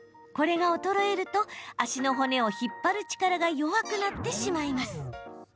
これが衰えると足の骨を引っ張る力が弱くなってしまいます。